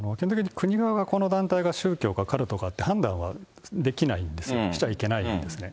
国側がこの団体が宗教かかるとかって判断できないんです、しちゃいけないんですね。